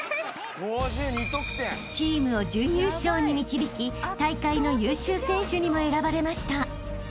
［チームを準優勝に導き大会の優秀選手にも選ばれました］